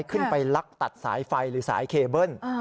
ลักตัดสายไฟหรือสายเคเบิ้ล